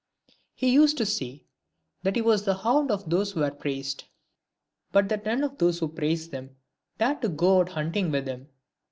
He used to say that he was the hound of those who were praised ; but that none of those who praised them dared to go out hunting with him.